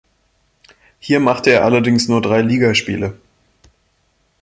Hier machte er allerdings nur drei Ligaspiele.